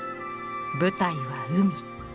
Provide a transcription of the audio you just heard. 舞台は海。